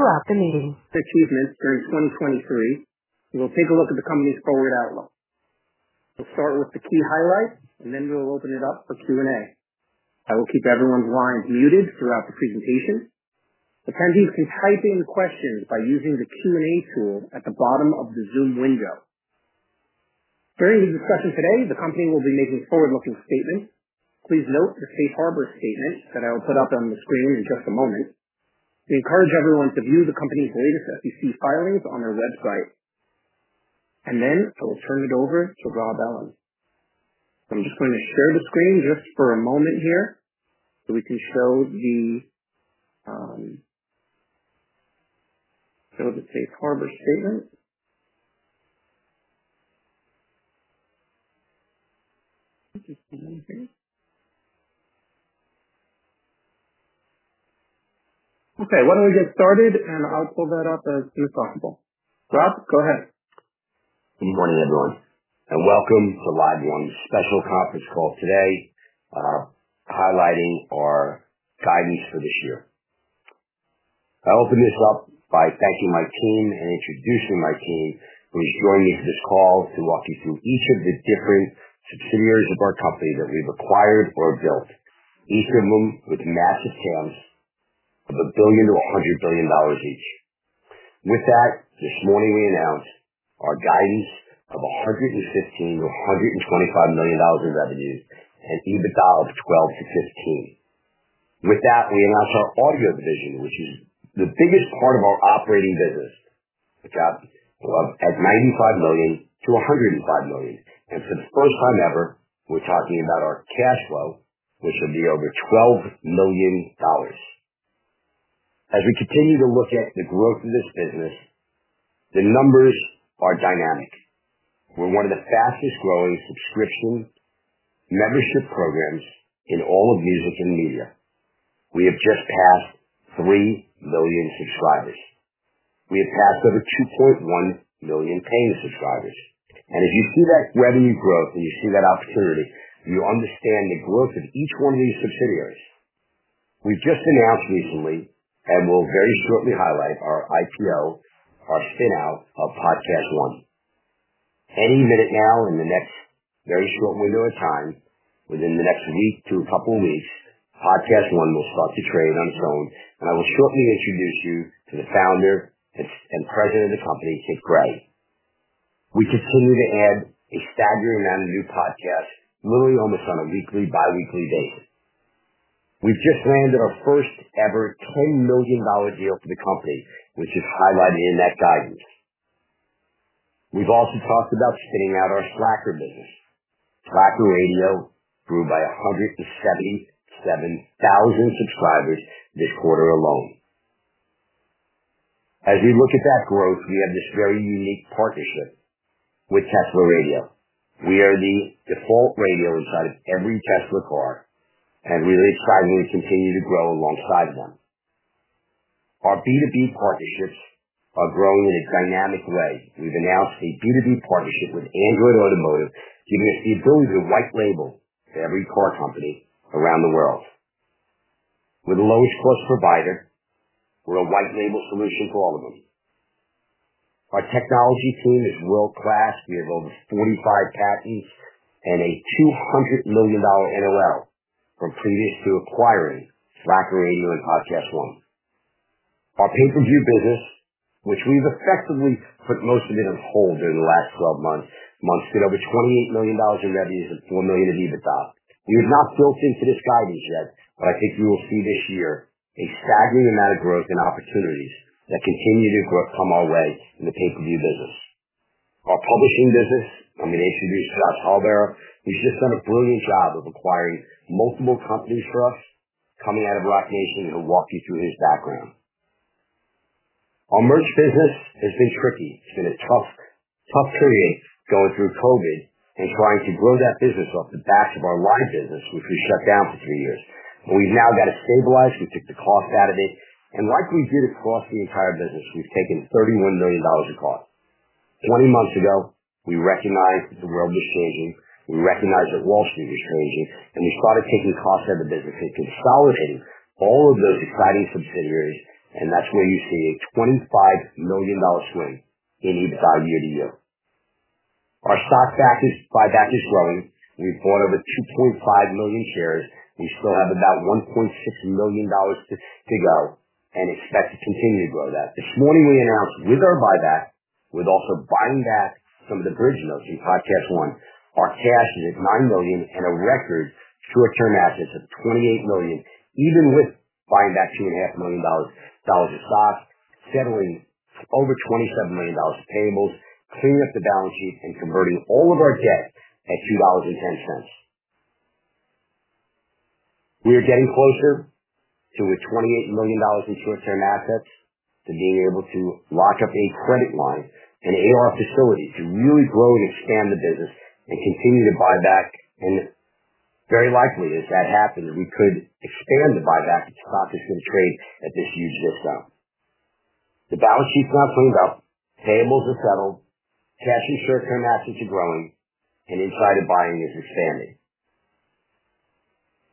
Throughout the meeting. Achievements during 2023. We will take a look at the company's forward outlook. We'll start with the key highlights, and then we'll open it up for Q&A. I will keep everyone's lines muted throughout the presentation. Attendees can type in questions by using the Q&A tool at the bottom of the Zoom window. During the discussion today, the company will be making forward-looking statements. Please note the Safe Harbor statement that I will put up on the screen in just a moment. We encourage everyone to view the company's latest SEC filings on our website. I will turn it over to Robert Ellin. I'm just going to share the screen just for a moment here, so we can show the Safe Harbor statement. Just a moment, please. Okay, why don't we get started. I'll pull that up as soon as possible. Rob, go ahead. Good morning, everyone, welcome to LiveOne's special conference call today, highlighting our guidance for this year. I open this up by thanking my team and introducing my team, who is joining this call to walk you through each of the different subsidiaries of our company that we've acquired or built, each of them with massive TAMs of $1 billion-$100 billion each. With that, this morning we announced our guidance of $115 million-$125 million in revenue and EBITDA of $12 million-$15 million. With that, we announced our audio division, which is the biggest part of our operating business, which got at $95 million-$105 million. For the first time ever, we're talking about our cash flow, which will be over $12 million. As we continue to look at the growth of this business, the numbers are dynamic. We're one of the fastest growing subscription membership programs in all of music and media. We have just passed 3 million subscribers. We have passed over 2.1 million paying subscribers. As you see that revenue growth, and you see that opportunity, and you understand the growth of each one of these subsidiaries. We just announced recently, and we'll very shortly highlight our IPO, our spin-out of PodcastOne. Any minute now in the next very short window of time, within the next week to a couple of weeks, PodcastOne will start to trade on its own. I will shortly introduce you to the founder and president of the company, Kit Gray. We continue to add a staggering amount of new podcasts, literally almost on a weekly, biweekly basis. We've just landed our first ever $10 million deal for the company, which is highlighted in that guidance. We've also talked about spinning out our Slacker business. Slacker Radio grew by 177,000 subscribers this quarter alone. As we look at that growth, we have this very unique partnership with Tesla Radio. We are the default radio inside of every Tesla car. We're excited we continue to grow alongside them. Our B2B partnerships are growing in a dynamic way. We've announced a B2B partnership with Android Automotive, giving us the ability to white label to every car company around the world. We're the lowest cost provider. We're a white label solution for all of them. Our technology team is world-class. We have over 45 patents and a $200 million NOL from previous to acquiring Slacker Radio and PodcastOne. Our pay-per-view business, which we've effectively put most of it on hold during the last 12 months, did over $28 million in revenues and $4 million in EBITDA. We have not built into this guidance yet. I think we will see this year a staggering amount of growth and opportunities that continue to grow come our way in the pay-per-view business. Our publishing business, let me introduce Josh Halpern. He's just done a brilliant job of acquiring multiple companies for us coming out of Roc Nation. He'll walk you through his background. Our merch business has been tricky. It's been a tough three years going through COVID and trying to grow that business off the back of our live business, which we shut down for three years. We've now got it stabilized. We took the cost out of it. Like we did across the entire business, we've taken $31 million of cost. 20 months ago, we recognized that the world was changing. We recognized that Wall Street was changing, and we started taking costs out of the business and consolidating all of those exciting subsidiaries. That's where you see a $25 million swing in EBITDA year-to-year. Our buyback is growing. We've bought over 2.5 million shares. We still have about $1.6 million to go and expect to continue to grow that. This morning we announced with our buyback, we're also buying back some of the bridge notes in PodcastOne. Our cash is at $9 million and a record short-term assets of $28 million, even with buying back two and a half million dollars of stock, settling over $27 million of payables, cleaning up the balance sheet, and converting all of our debt at $2.10. We are getting closer to the $28 million in short-term assets to being able to lock up a credit line, an AR facility to really grow and expand the business and continue to buy back. Very likely, as that happens, we could expand the buyback as stock is going to trade at this huge discount. The balance sheet's not cleaned up. Payables are settled. Cash and short-term assets are growing, and inside of buying is expanding.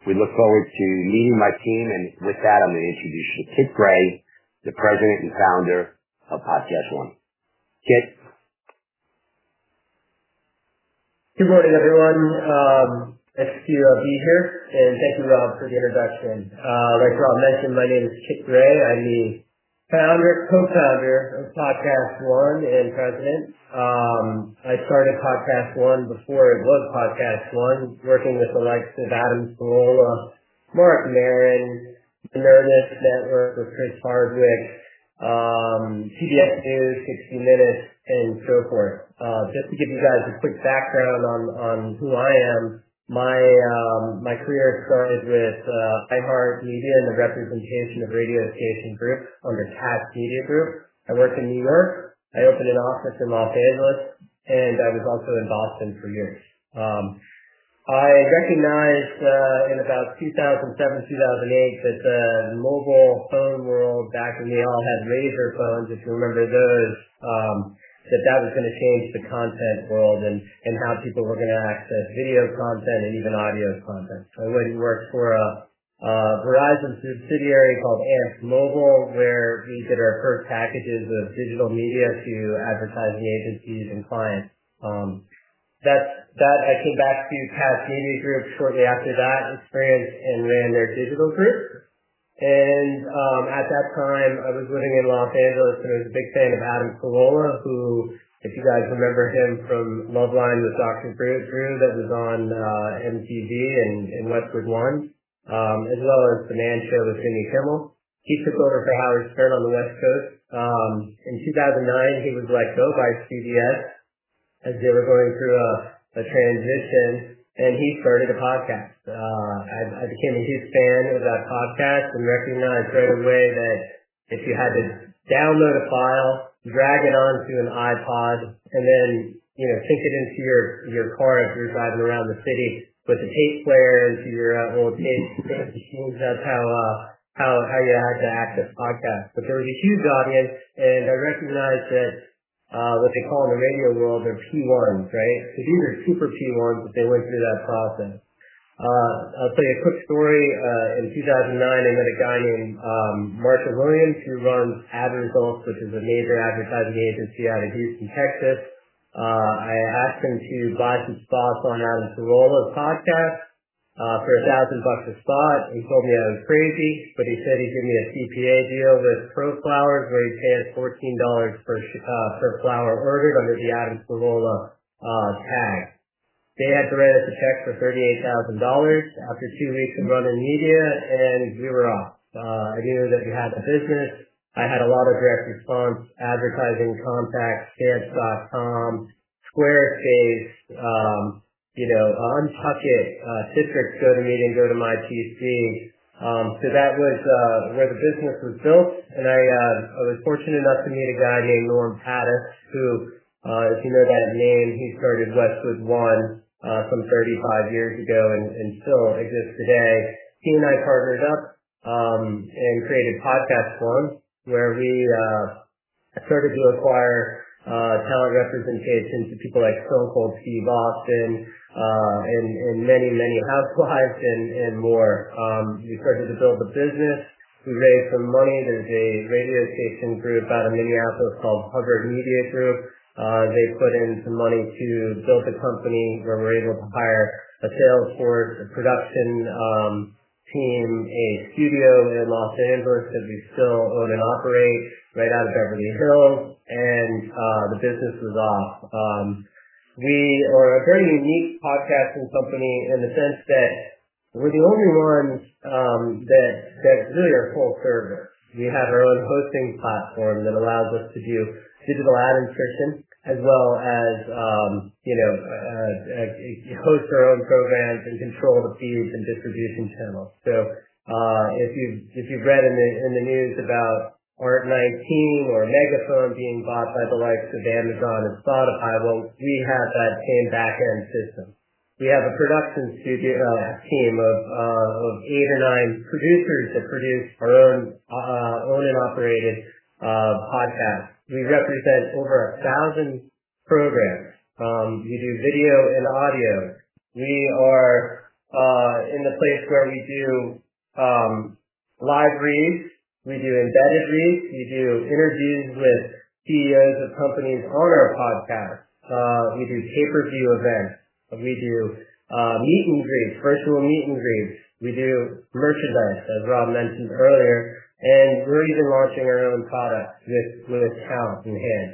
We look forward to meeting my team. With that, I'm gonna introduce you to Kit Gray, the president and founder of PodcastOne. Kit? Good morning, everyone. Excited to be here. Thank you, Rob, for the introduction. Like Rob mentioned, my name is Kit Gray. I'm the co-founder of PodcastOne and president. I started PodcastOne before it was PodcastOne, working with the likes of Adam Carolla, Marc Maron, Nerdist Network with Chris Hardwick, CBS News, 60 Minutes, and so forth. Just to give you guys a quick background on who I am. My career started with iHeartMedia and the representation of Radio Station Group under Taft Media Group. I worked in New York. I opened an office in Los Angeles. I was also in Boston for years. I recognized in about 2007-2008 that the mobile phone world, back when we all had Razr phones, if you remember those, that was gonna change the content world and how people were gonna access video content and even audio content. I went and worked for a Verizon subsidiary called Amp'd Mobile, where we did our first packages of digital media to advertising agencies and clients. That's that. I came back to Taft Media Group shortly after that experience and ran their digital group. At that time, I was living in Los Angeles and was a big fan of Adam Carolla, who, if you guys remember him from Loveline, the talk show that was on MTV and Westwood One, as well as The Man Show with Jimmy Kimmel. He took over for Howard Stern on the West Coast. In 2009, he was let go by CBS as they were going through a transition, he started a podcast. I became a huge fan of that podcast and recognized right away that if you had to download a file, drag it onto an iPod and then, you know, take it into your car as you're driving around the city with a tape player into your old tape deck machines, that's how you had to access podcasts. There was a huge audience, I recognized that what they call in the radio world are P1s, right? These are super P1s, they went through that process. I'll tell you a quick story. In 2009, I met a guy named Marshall Williams, who runs Ad Results Media, which is a major advertising agency out of Houston, Texas. I asked him to buy some spots on Adam Carolla's podcast for $1,000 a spot. He told me I was crazy. He said he'd give me a CPA deal with ProFlowers, where he paid $14 per flower ordered under the Adam Carolla tag. They had to write us a check for $38,000 after two weeks of running media. We were off. I knew that we had a business. I had a lot of direct response advertising contacts, Stance.com, Squarespace, you know, Unpocket, Citrix GoToMeeting, GoToMyPC. That was where the business was built. I was fortunate enough to meet a guy named Norm Pattiz, who, if you know that name, he started Westwood One, some 3five years ago and still exists today. He and I partnered up and created PodcastOne, where we started to acquire talent representation to people like Stone Cold Steve Austin, and many, many housewives and more. We started to build a business. We raised some money. There's a radio station group out of Minneapolis called Hubbard Media Group. They put in some money to build a company where we're able to hire a sales force, a production team, a studio in Los Angeles that we still own and operate right out of Beverly Hills. The business was off. We are a very unique podcasting company in the sense that we're the only ones that really are full server. We have our own hosting platform that allows us to do digital ad insertion as well as, you know, host our own programs and control the feeds and distribution channels. If you've read in the news about ART19 or Megaphone being bought by the likes of Amazon and Spotify, well, we have that same backend system. We have a production studio, team of eight or nine producers that produce our own owned and operated podcast. We represent over 1,000 programs. We do video and audio. We are in the place where we do live reads, we do embedded reads, we do interviews with Chief Executive Officer of companies on our podcast. We do pay-per-view events. We do meet and greets, virtual meet and greets. We do merchandise, as Rob mentioned earlier, we're even launching our own product with talent in hand.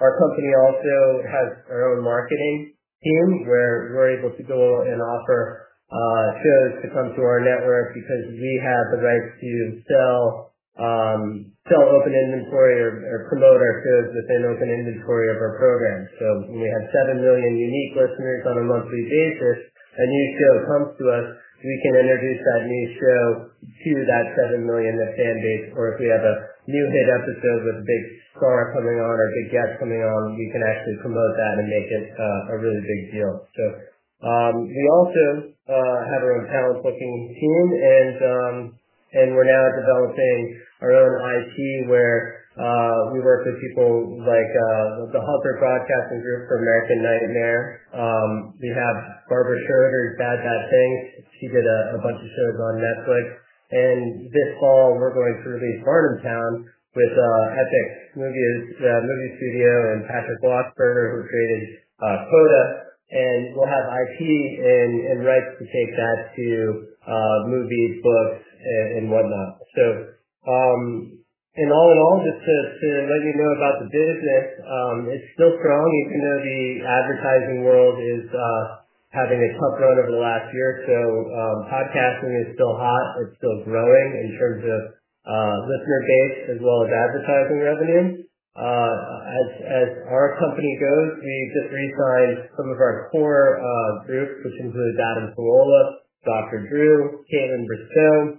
Our company also has our own marketing team where we're able to go and offer shows to come to our network because we have the rights to sell open inventory or promote our shows within open inventory of our programs. We have 7 million unique listeners on a monthly basis. A new show comes to us. We can introduce that new show to that 7 million fan base. If we have a new hit episode with a big star coming on or a big guest coming on, we can actually promote that and make it a really big deal. We also have our own talent booking team and we're now developing our own IP where we work with people like the Hunter Broadcasting group for American Nightmare. We have Barbara Schroeder's Bad Bad Things. She did a bunch of shows on Netflix. This fall, we're going to release Barn Town with Epic Movies Movie Studio and Patrick Wachsberger, who created CODA, and we'll have IP and rights to take that to movies, books and whatnot. All in all, just to let you know about the business, it's still strong. You know, the advertising world is having a tough road over the last year. Podcasting is still hot. It's still growing in terms of listener base as well as advertising revenue. As our company goes, we just re-signed some of our core groups, which include Adam Carolla, Dr. Drew, Kaitlyn Bristowe,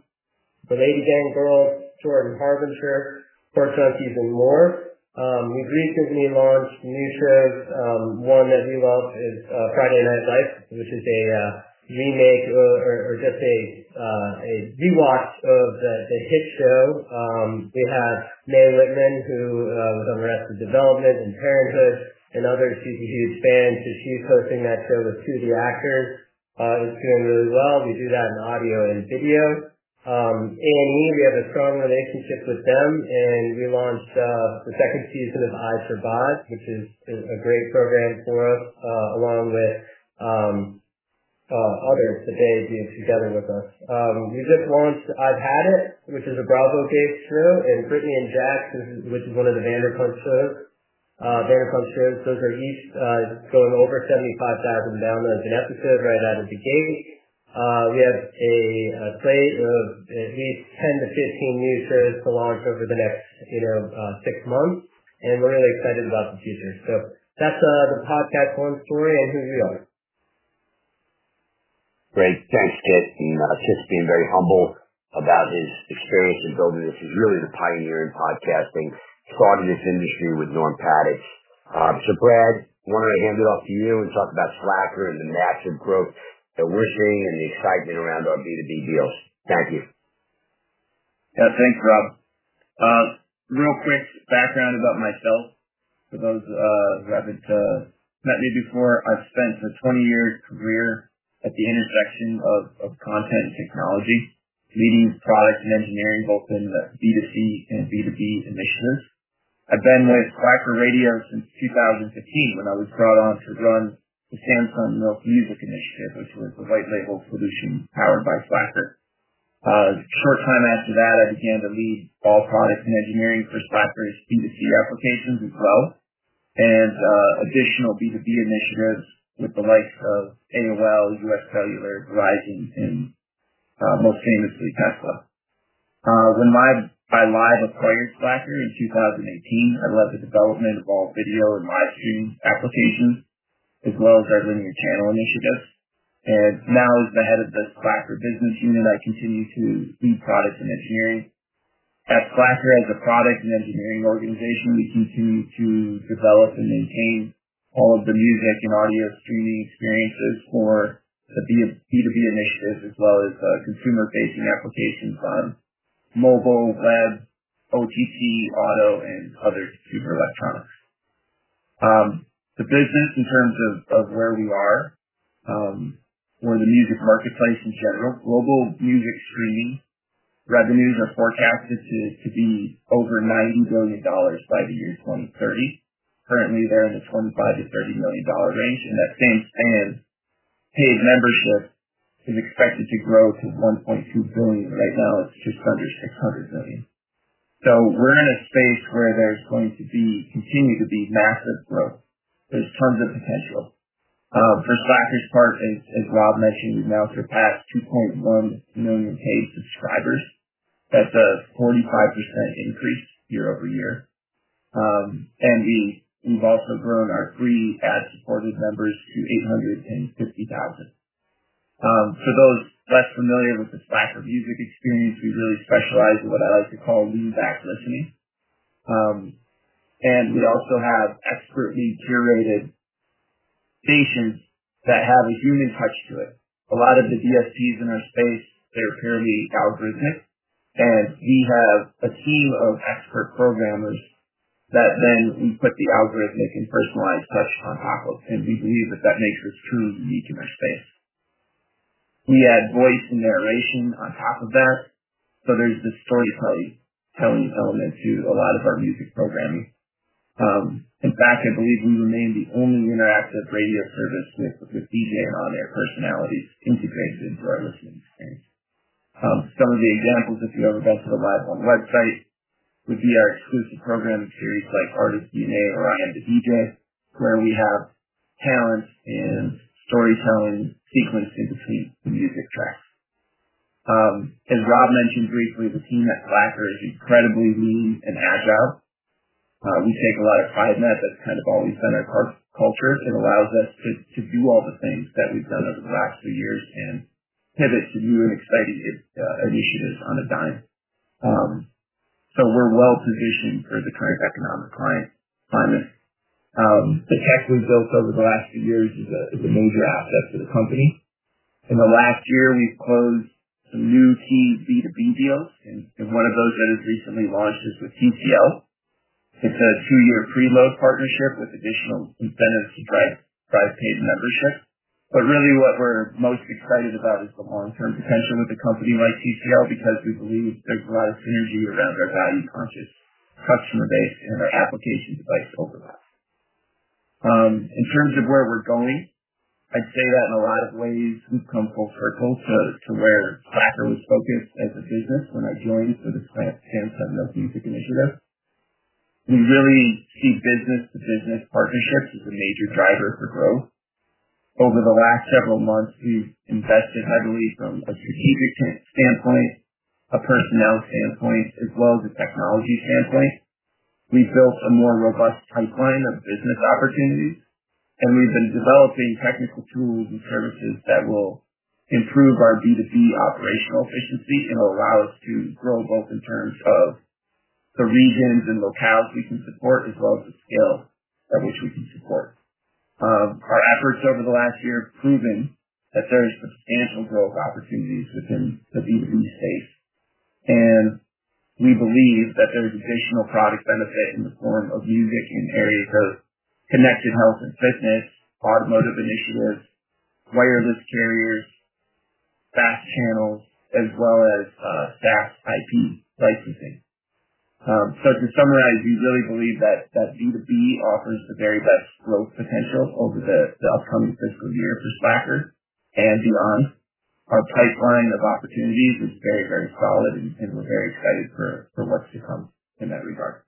The LadyGang Girls, Jordan Harbinger, Poor Chuckies, and more. We've recently launched new shows. One that we launched is Friday Night Lights, which is a remake or just a rewatch of the hit show. We have Mae Whitman, who was on Arrested Development and Parenthood and other huge fans. She's hosting that show with two of the actors. It's doing really well. We do that in audio and video. A&E, we have a strong relationship with them. We launched the second season of I Survived, which is a great program for us, along with others that they do together with us. We just launched I've Had It, which is a Bravo-based show, and Brittany & Jax, which is one of the Vanderpump shows. Vanderpump shows. Those are each going over 75,000 downloads an episode right out of the gate. We have a slate of at least 10-15 new shows to launch over the next, you know, six months. We're really excited about the future. That's the PodcastOne story. Here's the other. Great. Thanks, Kit. Kit's being very humble about his experience in building this. He's really the pioneer in podcasting, starting this industry with Norm Pattiz. Brad, wanted to hand it off to you and talk about Slacker and the massive growth that we're seeing and the excitement around our B2B deals. Thank you. Yeah, thanks, Rob. Real quick background about myself for those who haven't met me before. I've spent a 20-year career at the intersection of content and technology, leading product and engineering both in the B2C and B2B initiatives. I've been with Slacker Radio since 2015, when I was brought on to run the Samsung Milk Music initiative, which was a white label solution powered by Slacker. Short time after that, I began to lead all product and engineering for Slacker's B2C applications as well, and additional B2B initiatives with the likes of AOL, UScellular, Verizon, and most famously, Tesla. When Live acquired Slacker in 2018, I led the development of all video and live stream applications as well as our linear channel initiatives. Now as the head of the Slacker business unit, I continue to lead product and engineering. At Slacker, as a product and engineering organization, we continue to develop and maintain all of the music and audio streaming experiences for the B, B2B initiatives as well as consumer-facing applications on mobile, web, OTT, auto, and other consumer electronics. The business in terms of where we are, or the music marketplace in general. Global music streaming revenues are forecasted to be over $90 billion by the year 2030. Currently, they're in the $25 million-$30 million range, and that same span paid membership is expected to grow to $1.2 billion. Right now it's just under $600 million. We're in a space where there's going to continue to be massive growth. There's tons of potential. For Slacker's part, as Rob mentioned, we've now surpassed 2.1 million paid subscribers. That's a 45% increase year-over-year. We've also grown our free ad-supported members to 850,000. For those less familiar with the Slacker music experience, we really specialize in what I like to call lean-back listening. We also have expertly curated stations that have a human touch to it. A lot of the DSPs in our space, they're purely algorithmic, and we have a team of expert programmers that then we put the algorithmic and personalized touch on top of. We believe that that makes us truly unique in our space. We add voice and narration on top of that, so there's this storytelling element to a lot of our music programming. In fact, I believe we remain the only interactive radio service with DJ on-air personalities integrated into our listening experience. Some of the examples, if you ever go to the LiveOne website, would be our exclusive program series like Artist DNA or I Am the DJ, where we have talent and storytelling sequenced in between the music tracks. As Rob mentioned briefly, the team at Slacker is incredibly lean and agile. We take a lot of pride in that. That's kind of always been our culture. It allows us to do all the things that we've done over the last few years and pivot to new and exciting initiatives on a dime. We're well-positioned for the current economic climate. The tech we've built over the last few years is a major asset to the company. In the last year, we've closed some new key B2B deals, and one of those that has recently launched is with TCL. It's a two-year pre-load partnership with additional incentives to drive paid membership. Really what we're most excited about is the long-term potential with a company like TCL because we believe there's a lot of synergy around our value-conscious customer base and our application device overlap. In terms of where we're going, I'd say that in a lot of ways we've come full circle to where Slacker was focused as a business when I joined for this chance at music initiative. We really see business-to-business partnerships as a major driver for growth. Over the last several months, we've invested, I believe, from a strategic standpoint, a personnel standpoint, as well as a technology standpoint. We've built a more robust pipeline of business opportunities. We've been developing technical tools and services that will improve our B2B operational efficiency and allow us to grow both in terms of the regions and locales we can support as well as the scale at which we can support. Our efforts over the last year have proven that there is substantial growth opportunities within the B2B space. We believe that there's additional product benefit in the form of music in areas of connected health and fitness, automotive initiatives, wireless carriers, FAST channels, as well as FAST IP licensing. To summarize, we really believe that B2B offers the very best growth potential over the upcoming fiscal year for Slacker and beyond. Our pipeline of opportunities is very, very solid and we're very excited for what's to come in that regard.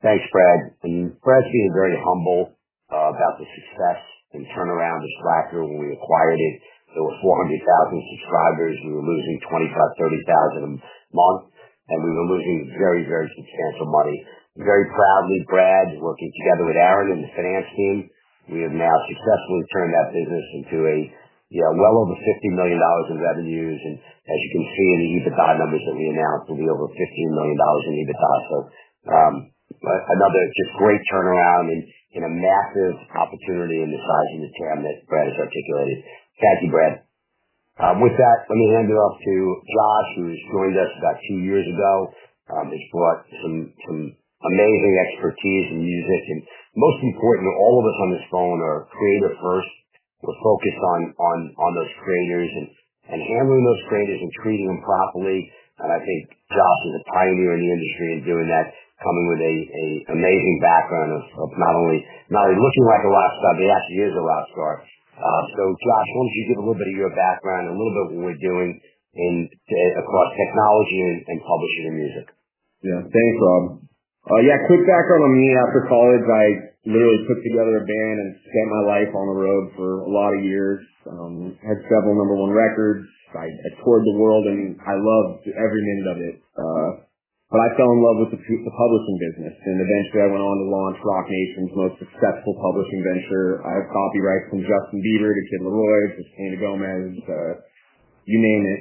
Thanks, Brad. Brad's being very humble about the success and turnaround of Slacker. When we acquired it, there were 400,000 subscribers. We were losing $25 million-$30 million month, and we were losing very substantial money. Very proudly, Brad, working together with Aaron and the finance team, we have now successfully turned that business into a, you know, well over $50 million in revenues. As you can see in the EBITDA numbers that we announced, it'll be over $15 million in EBITDA. Another just great turnaround and a massive opportunity in the size and the TAM that Brad has articulated. Thank you, Brad. With that, let me hand it off to Josh, who's joined us about two years ago. He's brought some amazing expertise in music. Most importantly, all of us on this phone are creator first. We're focused on those creators and handling those creators and treating them properly. I think Josh is a pioneer in the industry in doing that, coming with a amazing background of not only looking like a rock star, but he actually is a rock star. Josh, why don't you give a little bit of your background, a little bit of what we're doing in across technology and publishing and music? Thanks, Rob. Quick background on me. After college, I literally put together a band and spent my life on the road for a lot of years. Had several number 1 records. I toured the world, I loved every minute of it. I fell in love with the publishing business, eventually I went on to launch Roc Nation's most successful publishing venture. I have copyrights from Justin Bieber to The Kid LAROI to Selena Gomez, you name it.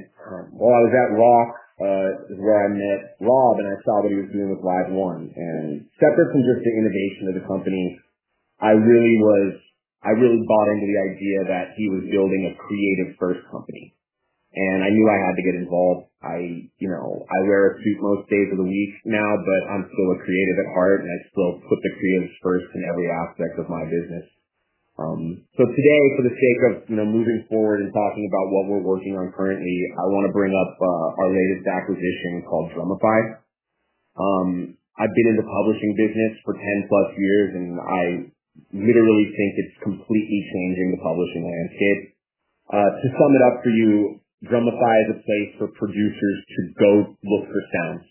While I was at Roc, is where I met Rob, I saw what he was doing with LiveOne. Separate from just the innovation of the company, I really bought into the idea that he was building a creative first company. I knew I had to get involved. I, you know, I wear a suit most days of the week now, but I'm still a creative at heart, and I still put the creatives first in every aspect of my business. Today, for the sake of, you know, moving forward and talking about what we're working on currently, I wanna bring up our latest acquisition called Drumify. I've been in the publishing business for 10+ years, and I literally think it's completely changing the publishing landscape. To sum it up for you, Drumify is a place for producers to go look for sounds.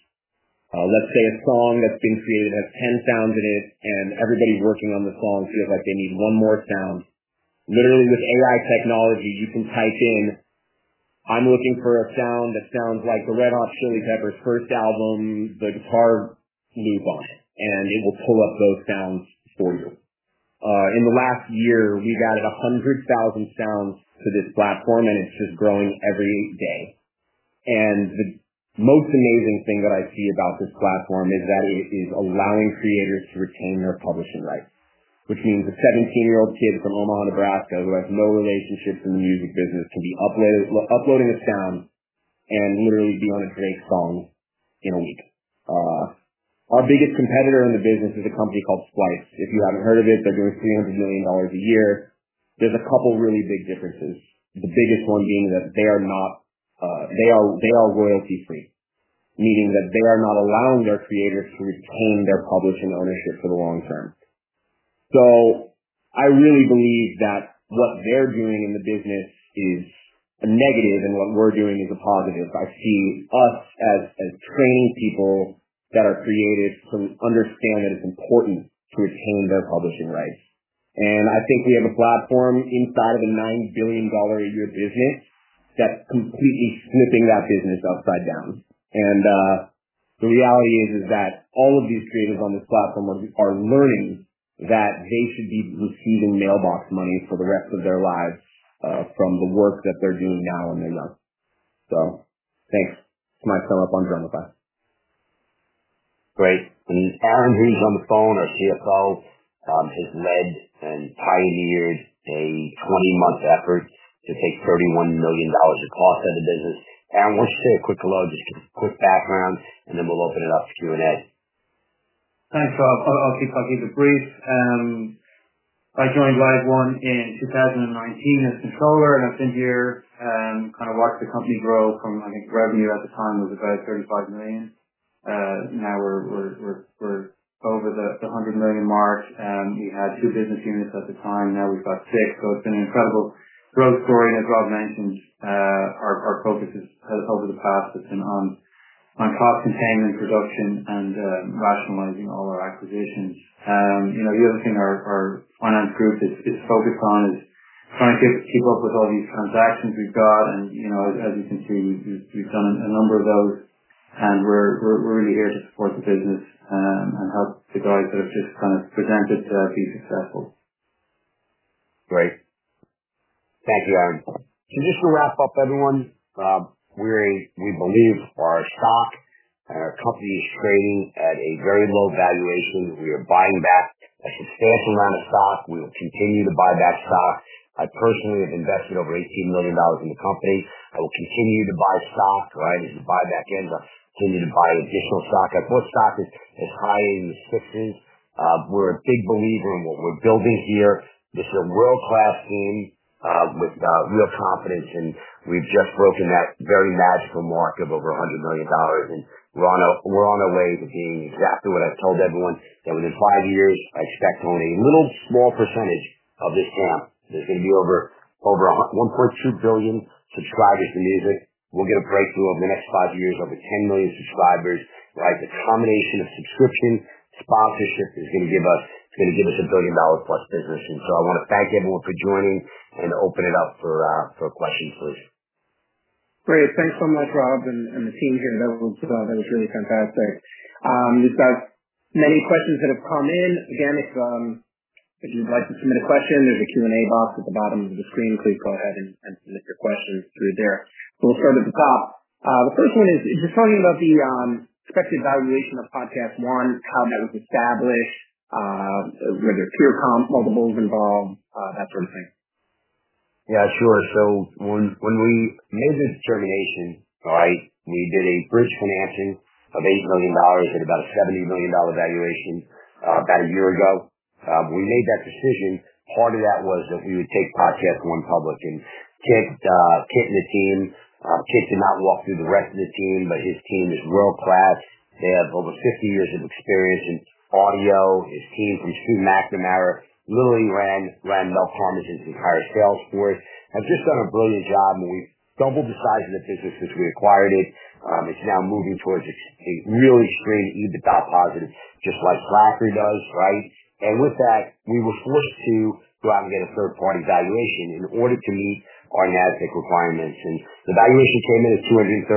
Let's say a song that's being created has 10 sounds in it, and everybody working on the song feels like they need one more sound. Literally, with AI technology, you can type in, "I'm looking for a sound that sounds like the Red Hot Chili Peppers' first album, the guitar move on it," and it will pull up those sounds for you. In the last year, we've added 100,000 sounds to this platform, and it's just growing every day. The most amazing thing that I see about this platform is that it is allowing creators to retain their publishing rights, which means a 17-year-old kid from Omaha, Nebraska, who has no relationships in the music business, can be uploading a sound and literally be on a great song in a week. Our biggest competitor in the business is a company called Splice. If you haven't heard of it, they're doing $300 million a year. There's a couple really big differences. The biggest one being that they are not. They are royalty-free, meaning that they are not allowing their creators to retain their publishing ownership for the long term. I really believe that what they're doing in the business is a negative and what we're doing is a positive. I see us as training people that are creative to understand that it's important to retain their publishing rights. I think we have a platform inside of a $9 billion a year business that's completely flipping that business upside down. The reality is that all of these creatives on this platform are learning that they should be receiving mailbox money for the rest of their lives from the work that they're doing now in their life. Thanks. That's my sum up on Drumify. Great. Aaron Sullivan's on the phone, our CFO, has led and pioneered a 20-month effort to take $31 million of cost out of the business. Aaron, why don't you say a quick hello, just give a quick background, and then we'll open it up for Q&A. Thanks, Rob. I'll keep it brief. I joined LiveOne in 2019 as controller, and I've been here, kind of watched the company grow from, I think, revenue at the time was about $35 million. Now we're over the $100 million mark. We had two business units at the time, now we've got six. It's been an incredible growth story. As Rob mentioned, our focus over the past has been on cost containment production and rationalizing all our acquisitions. You know, the other thing our finance group is focused on is trying to Keep up with all these transactions we've got. You know, as you can see, we've done a number of those and we're really here to support the business, and help the guys that have just kind of presented, be successful. Great. Thank you, Aaron. Just to wrap up everyone, we believe our stock and our company is trading at a very low valuation. We are buying back a substantial amount of stock. We will continue to buy back stock. I personally have invested over $18 million in the company. I will continue to buy stock, right? As the buyback ends, I'll continue to buy additional stock. I thought stock is high in the sixties. We're a big believer in what we're building here. This is a world-class team, with real confidence, and we've just broken that very magical mark of over $100 million. We're on our way to being exactly what I've told everyone, that within five years I expect only a little small percentage of this camp. There's gonna be over $1.2 billion subscribers for music. We'll get a breakthrough over the next five years, over 10 million subscribers, right? The combination of subscription sponsorship is gonna give us a billion-dollar-plus business. I wanna thank everyone for joining and open it up for questions please. Great. Thanks so much, Rob and the team here. That was really fantastic. We've got many questions that have come in. Again, if you'd like to submit a question, there's a Q&A box at the bottom of the screen. Please go ahead and submit your questions through there. We'll start at the top. The first one is just talking about the expected valuation of PodcastOne, how that was established, were there peer comp multiples involved, that sort of thing. Yeah, sure. When, when we made the determination, right, we did a bridge financing of $8 million at about a $70 million valuation, about a year ago. When we made that decision, part of that was that we would take PodcastOne public. Kit and the team, Kit did not walk through the rest of the team, but his team is world-class. They have over 50 years of experience in audio. His team from Stu McNamara literally ran Mel Karmazin's entire sales force. Has just done a brilliant job, and we've doubled the size of the business since we acquired it. It's now moving towards a really straight EBITDA positive, just like Slacker does, right? With that, we were forced to go out and get a third-party valuation in order to meet our NASDAQ requirements. The valuation came in at $230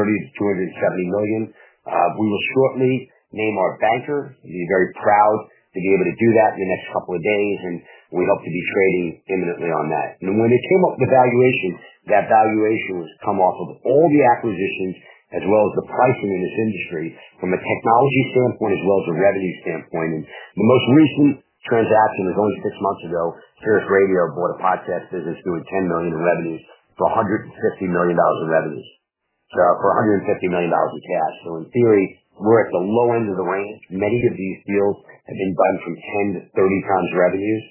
million-$270 million. We will shortly name our banker. We'll be very proud to be able to do that in the next couple of days, and we hope to be trading imminently on that. When they came up with the valuation, that valuation has come off of all the acquisitions as well as the pricing in this industry from a technology standpoint as well as a revenue standpoint. The most recent transaction was only six months ago. SiriusXM bought a podcast business doing $10 million in revenues for $150 million in revenues. For $150 million in cash. In theory, we're at the low end of the range. Many of these deals have been buying from 10x-30x revenues.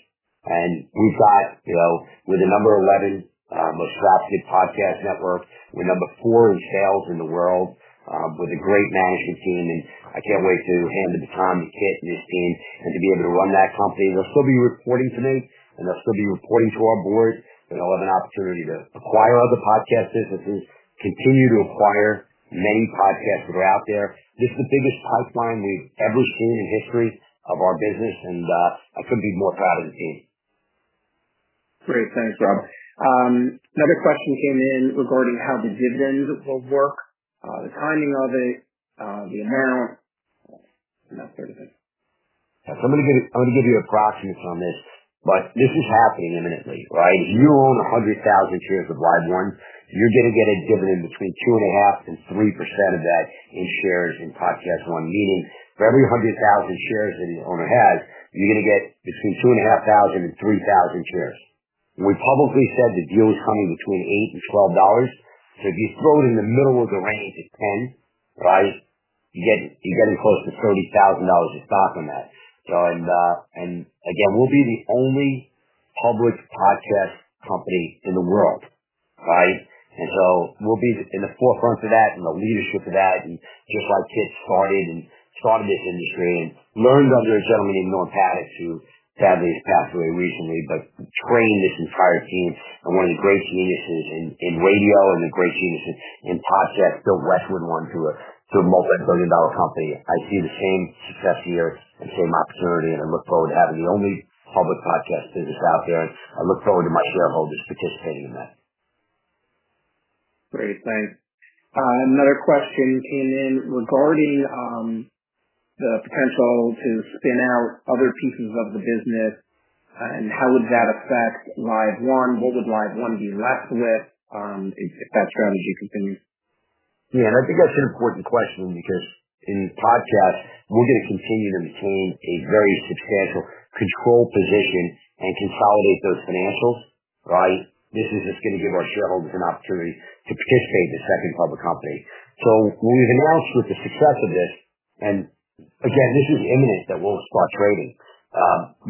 We've got, you know, we're the number 11 most drafted podcast network. We're number four in sales in the world with a great management team. I can't wait to hand the baton to Kit and his team and to be able to run that company. They'll still be reporting to me, and they'll still be reporting to our board, and I'll have an opportunity to acquire other podcast businesses, continue to acquire many podcasts that are out there. This is the biggest pipeline we've ever seen in the history of our business, I couldn't be more proud of the team. Great. Thanks, Rob. another question came in regarding how the dividends will work, the timing of it, the amount and that sort of thing. I'm going to give you approximates on this, but this is happening imminently, right? If you own 100,000 shares of LiveOne, you're going to get a dividend between 2.5% and 3% of that in shares in PodcastOne. Meaning for every 100,000 shares an owner has, you're going to get between 2,500 and 3,000 shares. We publicly said the deal was coming between $8 and $12. If you throw it in the middle of the range at 10, right? You're getting close to $30,000 of stock from that. Again, we'll be the only public podcast company in the world, right? We'll be in the forefront of that and the leadership of that. Just like Kit started this industry and learned under a gentleman named Norm Pattiz, who sadly has passed away recently, but trained this entire team and one of the great geniuses in radio and the great geniuses in podcast, Phil Westwind once who grew a multi-billion dollar company. I see the same success here and same opportunity, and I look forward to having the only public podcast business out there. I look forward to my shareholders participating in that. Great. Thanks. another question came in regarding the potential to spin out other pieces of the business and how would that affect LiveOne? What would LiveOne be left with, if that strategy continues? Yeah. I think that's an important question because in podcasts we're gonna continue to maintain a very substantial control position and consolidate those financials, right? This is just gonna give our shareholders an opportunity to participate in the second public company. We've announced with the success of this. Again, this is imminent that we'll start trading.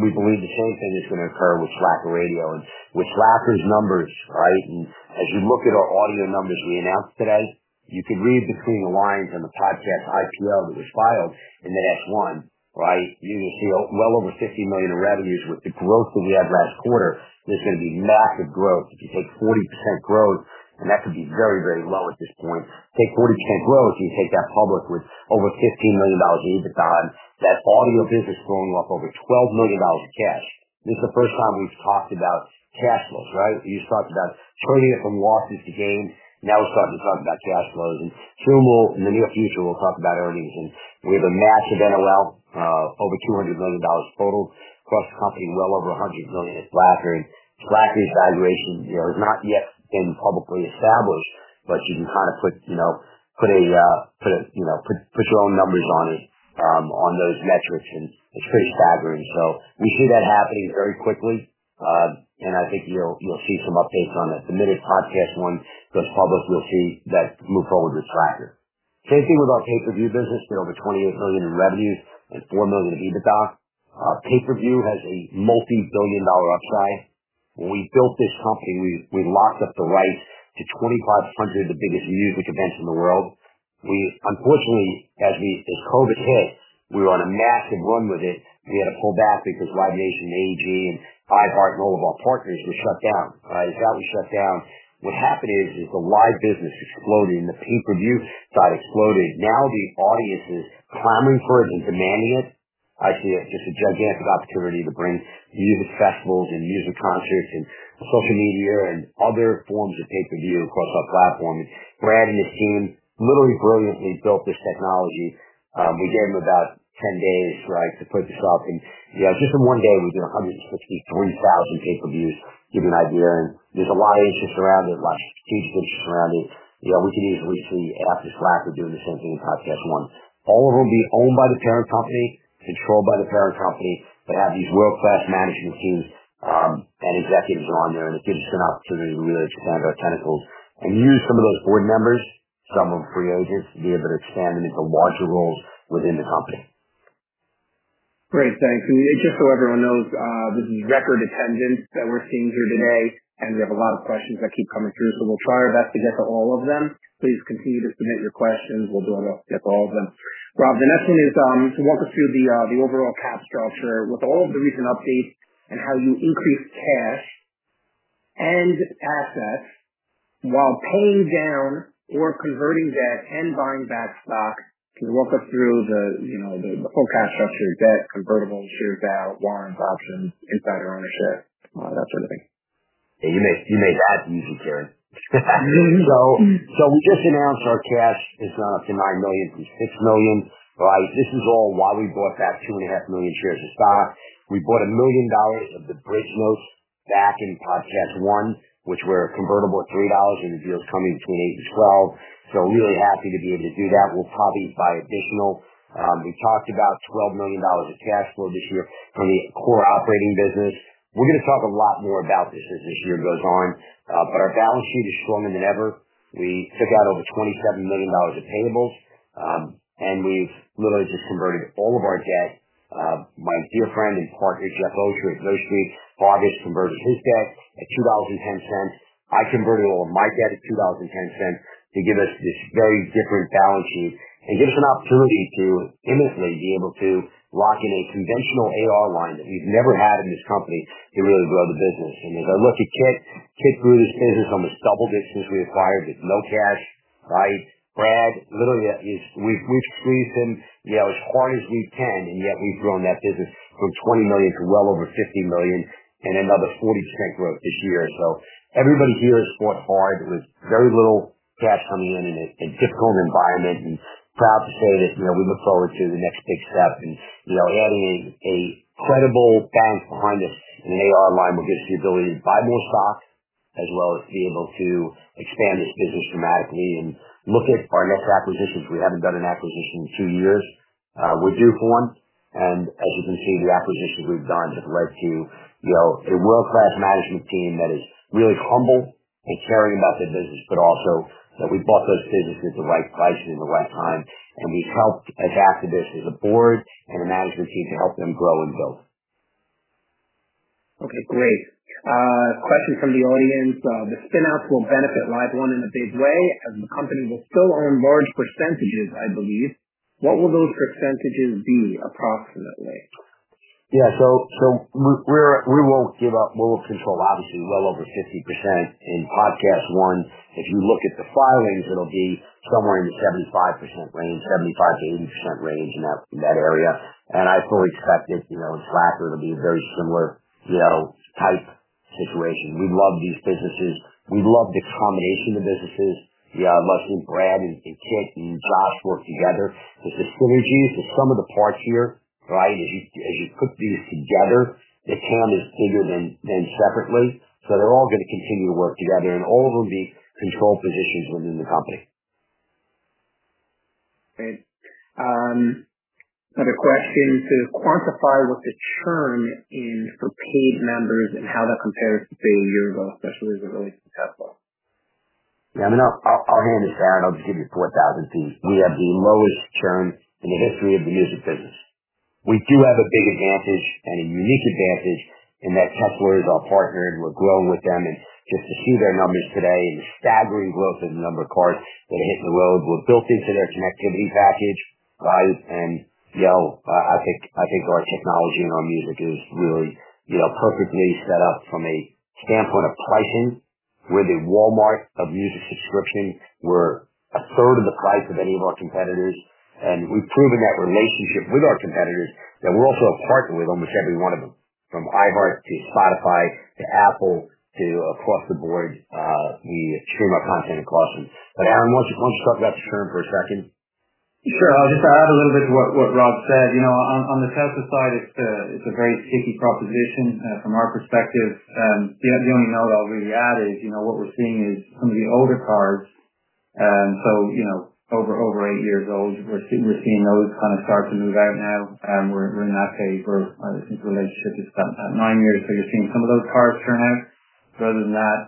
We believe the same thing is gonna occur with Slacker Radio and with Slacker's numbers, right? As you look at our audio numbers we announced today, you could read between the lines and the podcast IPO that was filed in the S-1, right? You will see well over $50 million in revenues with the growth that we had last quarter. There's gonna be massive growth. If you take 40% growth, and that could be very, very low at this point. Take 40% growth, you take that public with over $15 million in EBITDA. That audio business throwing off over $12 million cash. This is the first time we've talked about cash flows, right? We've talked about turning it from losses to gains. Now we're starting to talk about cash flows. Soon in the near future, we'll talk about earnings. We have a massive NOL, over $200 million total across the company, well over $100 million at Slacker. Slacker's valuation, you know, has not yet been publicly established, but you can kinda put, you know, put a, you know, put your own numbers on it on those metrics, and it's pretty staggering. We see that happening very quickly. I think you'll see some updates on it. The minute PodcastOne goes public, we'll see that move forward with Slacker. Same thing with our pay-per-view business. Did over $28 million in revenue and $4 million in EBITDA. Pay-per-view has a multi-billion dollar upside. When we built this company, we locked up the rights to 2,500 of the biggest music events in the world. Unfortunately, as COVID hit, we were on a massive run with it. We had to pull back because Live Nation, AEG, and iHeart, and all of our partners were shut down, right? As that was shut down, what happened is the live business exploded and the pay-per-view side exploded. Now the audience is clamoring for it and demanding it. I see it just a gigantic opportunity to bring music festivals and music concerts and social media and other forms of pay-per-view across our platform. Brad and his team literally brilliantly built this technology. We gave him about 10 days, right, to put this up. You know, just in one day, we did 163,000 pay-per-views, to give you an idea. There's a lot of interest around it, a lot of strategic interest around it. You know, we see after Slacker doing the same thing with PodcastOne. All of them will be owned by the parent company, controlled by the parent company. They have these world-class management teams, and executives are on there. It gives us an opportunity to really expand our tentacles and use some of those board members, some of them free agents, to be able to expand into larger roles within the company. Great. Thanks. Just so everyone knows, this is record attendance that we're seeing here today, and we have a lot of questions that keep coming through, so we'll try our best to get to all of them. Please continue to submit your questions. We'll do our best to get to all of them. Rob, the next one is, can you walk us through the overall cap structure with all of the recent updates and how you increased cash and assets while paying down or converting debt and buying back stock? Can you walk us through the, you know, the full cash structure, debt, convertible, issued out warrants, options, insider ownership, all that sort of thing. Yeah. You make that easy, Jared. We just announced our cash is now up to $9 million from $6 million. Right? This is all while we bought back two and a half million shares of stock. We bought $1 million of the bridge notes back in PodcastOne, which were convertible at $3, and the deal is coming between $8-$12. Really happy to be able to do that. We'll probably buy additional. We talked about $12 million of cash flow this year from the core operating business. We're gonna talk a lot more about this as this year goes on. Our balance sheet is stronger than ever. We took out over $27 million of payables, and we've literally just converted all of our debt. My dear friend and partner, Jeff Ulrich, at Mercy, bought this, converted his debt at $2.10. I converted all of my debt at $2.10 to give us this very different balance sheet. It gives us an opportunity to intimately be able to lock in a conventional AR line that we've never had in this company to really grow the business. As I look at Kit grew this business almost double digits since we acquired it. No cash, right? Brad, literally, We've squeezed him, you know, as hard as we can, and yet we've grown that business from $20 million to well over $50 million and another 40% growth this year. Everybody here has fought hard with very little cash coming in a difficult environment, and proud to say that, you know, we look forward to the next big step. You know, adding a credible bank behind us and an AR line will give us the ability to buy more stock as well as be able to expand this business dramatically and look at our next acquisitions. We haven't done an acquisition in two years. We're due for one. As you can see, the acquisitions we've done have led to, you know, a world-class management team that is really humble and caring about their business, but also that we bought those businesses at the right prices and the right time. We've helped adapt to this as a board and a management team to help them grow and build. Okay, great. Question from the audience. The spin-offs will benefit LiveOne in a big way, and the company will still own large percentages, I believe. What will those percentages be approximately? Yeah. We won't give up. We'll control obviously well over 50% in PodcastOne. If you look at the filings, it'll be somewhere in the 75% range, 75%-80% range in that, in that area. I fully expect it, you know, in Slacker it'll be a very similar, you know, type situation. We love these businesses. We love the combination of businesses. You know, I love seeing Brad and Kit and Josh work together. It's the synergies. It's the sum of the parts here, right? As you put these together, they come as bigger than separately. They're all gonna continue to work together, and all of them will be control positions within the company. Okay. Another question. To quantify what the churn is for paid members and how that compares to say a year ago especially as it relates to cash flow. Yeah, I mean, I'll hand this to Aaron. I'll just give you 4,000 ft. We have the lowest churn in the history of the user business. We do have a big advantage and a unique advantage in that Tesla is our partner, and we're growing with them. Just to see their numbers today and the staggering growth in the number of cars that are hitting the road, we're built into their connectivity package, right? You know, I think our technology and our music is really, you know, perfectly set up from a standpoint of pricing. We're the Walmart of music subscription. We're a third of the price of any of our competitors. We've proven that relationship with our competitors, that we also have partnered with almost every one of them, from iHeart to Spotify to Apple to across the board. We stream our content across them. Aaron, why don't you talk about the churn for a second? Sure. I'll just add a little bit to what Rob said. You know, on the Tesla side, it's a, it's a very sticky proposition from our perspective. The only note I'll really add is, you know, what we're seeing is some of the older cars, you know, over eight years old, we're seeing those kind of start to move out now. We're, we're in that phase where I think the relationship is about nine years. You're seeing some of those cars churn out. Other than that,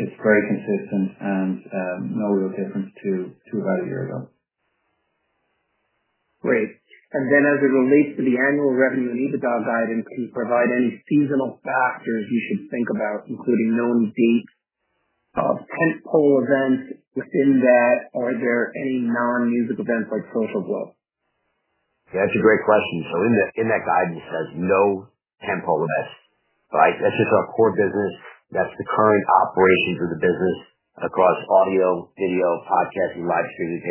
it's very consistent and no real difference to about one year ago. Great. Then as it relates to the annual revenue and EBITDA guidance, can you provide any seasonal factors you should think about, including known dates of tentpole events within that? Are there any non-music events like Social Gloves? That's a great question. In the, in that guidance, there's no tentpole events, right? That's just our core business. That's the current operations of the business across audio, video, podcasting, live streaming.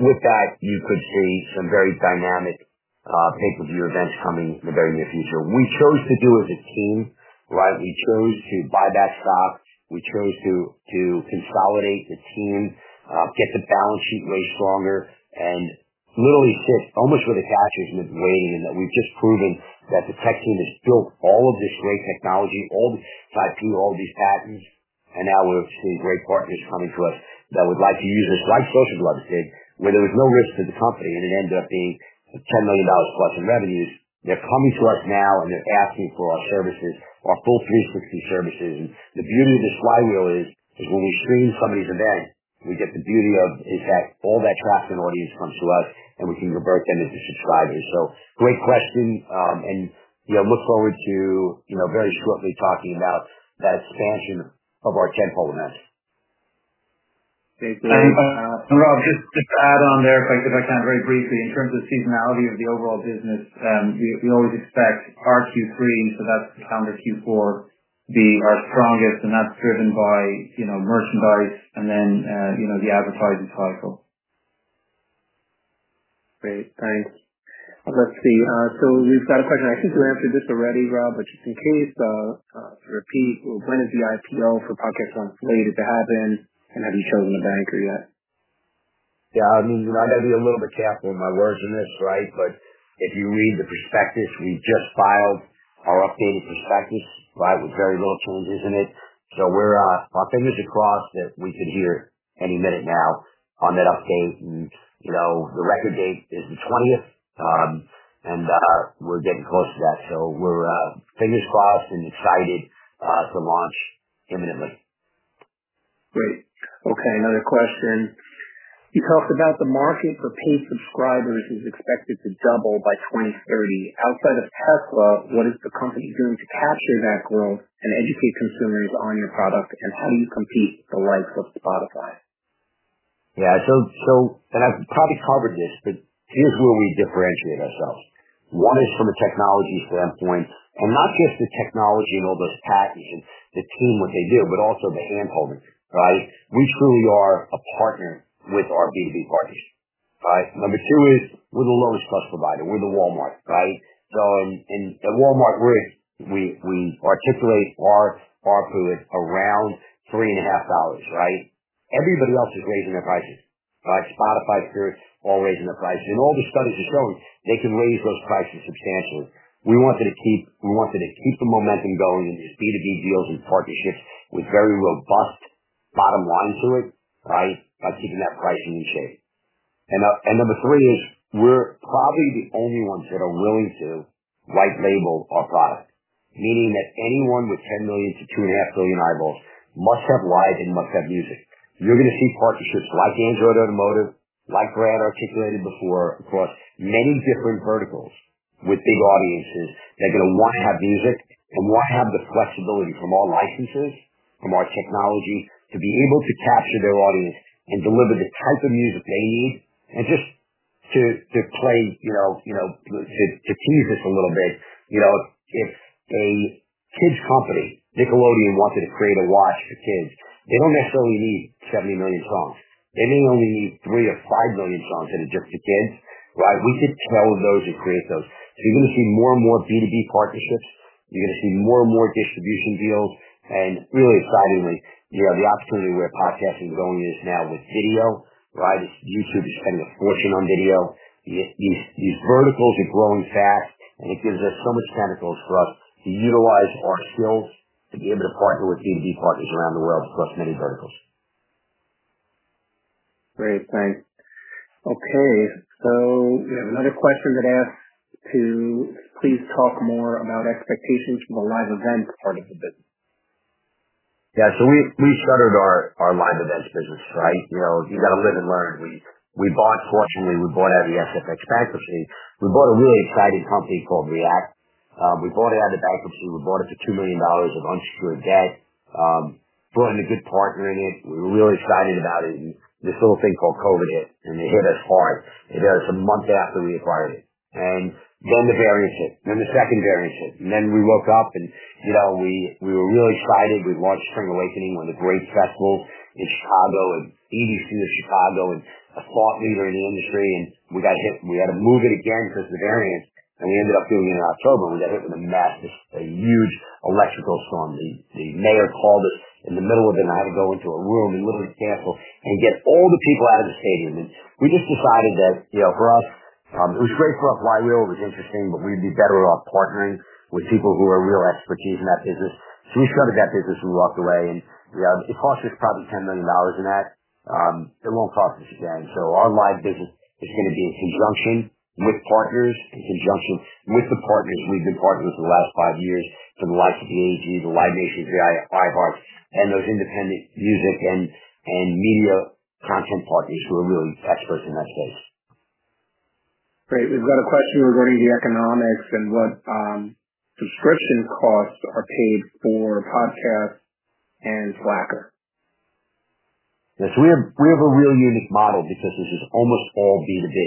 With that, you could see some very dynamic pay-per-view events coming in the very near future. We chose to do as a team, right? We chose to buy back stock. We chose to consolidate the team, get the balance sheet way stronger and literally sit almost with the cash is in the bank, in that we've just proven that the tech team has built all of this great technology, through all these patents, and now we're seeing great partners coming to us that would like to use this, like Social Gloves did, where there was no risk to the company and it ended up being $10 million+ in revenues. They're coming to us now, and they're asking for our services, our full 360 services. The beauty of this flywheel is when we stream somebody's event, we get the beauty of is that all that traffic and audience comes to us, and we can convert them into subscribers. Great question. You know, look forward to, you know, very shortly talking about that expansion of our tentpole events. Great. Thanks. Rob, just to add on there, if I can very briefly, in terms of seasonality of the overall business, we always expect our Q3, and so that's the calendar Q4, being our strongest, and that's driven by, you know, merchandise and then, you know, the advertising cycle. Great. Thanks. Let's see. We've got a question. I think we answered this already, Rob, just in case, to repeat, when is the IPO for PodcastOne slated to happen, have you chosen a banker yet? Yeah, I mean, you know, I've got to be a little bit careful with my words in this, right? If you read the prospectus, we've just filed our updated prospectus, right? With very little changes in it. Our fingers are crossed that we could hear any minute now on that update. You know, the record date is the 20th. We're getting close to that. Fingers crossed and excited to launch imminently. Great. Okay, another question. You talked about the market for paid subscribers is expected to double by 2030. Outside of Tesla, what is the company doing to capture that growth and educate consumers on your product and how do you compete with the likes of Spotify? Yeah. I've probably covered this, but here's where we differentiate ourselves. One is from a technology standpoint, and not just the technology and all those patents and the team, what they do, but also the handholding, right? We truly are a partner with our B2B partners, right? Number two is we're the lowest cost provider. We're the Walmart, right? In a Walmart rig, we articulate our fluids around $3.50, right? Everybody else is raising their prices, right? Spotify, Spirit, all raising their prices. All the studies are showing they can raise those prices substantially. We wanted to keep the momentum going in these B2B deals and partnerships with very robust bottom lines to it, right? By keeping that pricing in shape. Number three is we're probably the only ones that are willing to white label our product. Meaning that anyone with 10 million to 2.5 billion eyeballs must have live and must have music. You're gonna see partnerships like Android Automotive, like Brad articulated before, across many different verticals with big audiences. They're gonna wanna have music and wanna have the flexibility from our licenses, from our technology, to be able to capture their audience and deliver the type of music they need. Just to play, you know, to tease this a little bit, you know, if a kids company, Nickelodeon, wanted to create a watch for kids, they don't necessarily need 70 million songs. They may only need three or five million songs that are just for kids, right? We could tailor those and create those. You're gonna see more and more B2B partnerships. You're gonna see more and more distribution deals, and really excitingly, you have the opportunity where podcasting is going is now with video, right? YouTube is spending a fortune on video. These verticals are growing fast, and it gives us so much tentacles for us to utilize our skills to be able to partner with B2B partners around the world across many verticals. Great, thanks. We have another question that asks to please talk more about expectations from the live event part of the business. We started our live events business, right? You know, you gotta live and learn. Fortunately, we bought out of the SFX bankruptcy. We bought a really exciting company called React. We bought it out of bankruptcy. We bought it for $2 million of unsecured debt. Brought in a good partner in it. We were really excited about it. This little thing called COVID hit, and it hit us hard. It hit us a month after we acquired it. The variants hit, then the second variant hit. We woke up and, you know, we were really excited. We launched Spring Awakening with a great festival in Chicago and EDC in Chicago and a thought leader in the industry. We got hit, and we had to move it again because of the variants, and we ended up doing it in October, and we got hit with a massive, huge electrical storm. The mayor called us in the middle of the night to go into a room and literally cancel and get all the people out of the stadium. We just decided that, you know, for us, it was great for us. Live music was interesting, but we'd be better off partnering with people who have real expertise in that business. We shuttered that business and walked away. You know, it cost us probably $10 million in that. It won't cost us again. Our live business is gonna be in conjunction with partners, in conjunction with the partners we've been partnered with for the last five years, from the like of AEG to Live Nation, 3 Arts, iHeart, and those independent music and media content partners who are really experts in that space. Great. We've got a question regarding the economics and what subscription costs are paid for podcasts and Slacker. Yes. We have a real unique model because this is almost all B2B.